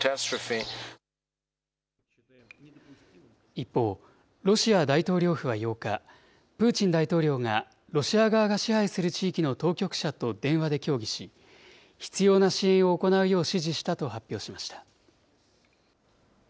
一方、ロシア大統領府は８日、プーチン大統領がロシア側が支配する地域の当局者と電話で協議し、必要な支援を行うよう指示したと発表しました。